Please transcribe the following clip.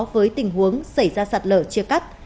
với tình huống xảy ra sạt lở chia cắt